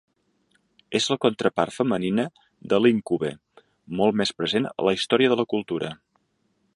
És la contrapart femenina de l'íncube, molt més present a la història de la cultura.